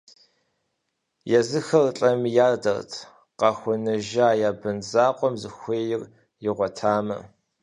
Езыхэр лӀэми ядэрт, къахуэнэжа я бын закъуэм зыхуейр игъуэтмэ.